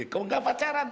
kamu nggak pacaran